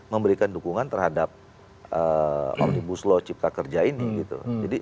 memberikan dukungan terhadap omnibus law cipta kerja ini gitu